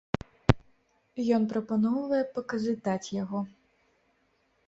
Ён прапаноўвае паказытаць яго.